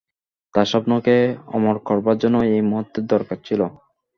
তাঁর স্বপ্নকে অমর করবার জন্যে এই মৃত্যুর দরকার ছিল।